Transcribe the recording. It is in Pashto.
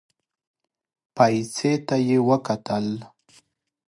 پايڅې ته يې وکتل.